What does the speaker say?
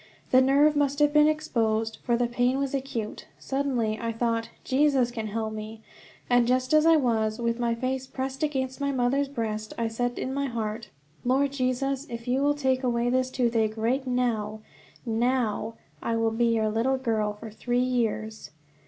The nerve must have become exposed, for the pain was acute. Suddenly I thought, "Jesus can help me," and just as I was, with my face pressed against my mother's breast, I said in my heart: "Lord Jesus, if you will take away this toothache right now, now, I will be your little girl for three years."